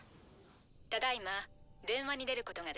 「ただいま電話に出ることができません。